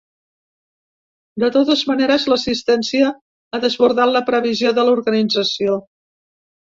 De totes maneres, l’assistència ha desbordat la previsió de l’organització.